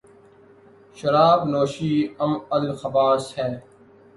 شراب نوشی ام الخبائث ہےـ